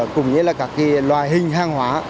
cùng với các loại hình hàng hóa